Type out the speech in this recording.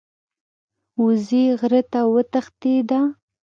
وزې غره ته وتښتیده.